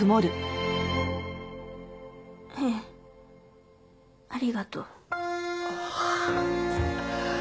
ええありがとう。ああ！